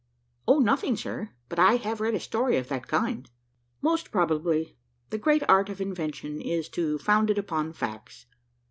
"O nothing, sir, but I have read a story of that kind." "Most probably; the great art of invention is to found it upon facts.